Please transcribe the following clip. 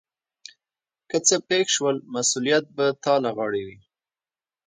که څه پیښ شول مسؤلیت به تا له غاړې وي.